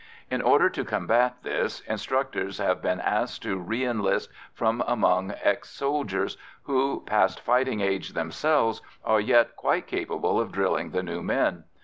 In order to combat this, instructors have been asked to re enlist from among ex soldiers who, past fighting age themselves, are yet quite capable of drilling the new men.